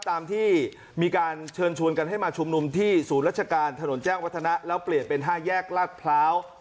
ตามที่มีการเชิญชวนกันให้มาชุมนุมที่ศูนย์ราชการถนนแจ้งวัฒนะแล้วเปลี่ยนเป็น๕แยกลาดพร้าว